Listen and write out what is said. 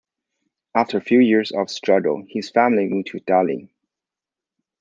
After a few years of struggle, his family moved to Delhi.